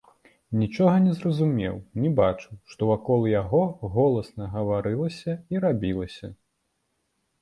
Нічога не зразумеў, не бачыў, што вакол яго голасна гаварылася і рабілася.